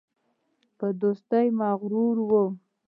په دوستۍ مغرور وو.